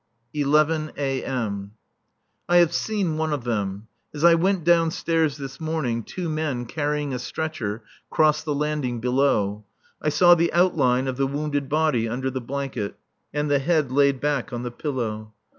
[11 a.m.] I have seen one of them. As I went downstairs this morning, two men carrying a stretcher crossed the landing below. I saw the outline of the wounded body under the blanket, and the head laid back on the pillow.